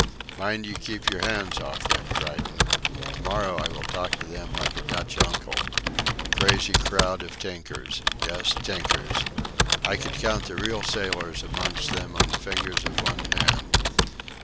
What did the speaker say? Mind you keep your hands off them, Creighton. To morrow I will talk to them like a Dutch Uncle. A crazy crowd of tinkers! Yes, tinkers! I could count the real sailors amongst them on the fingers of one hand.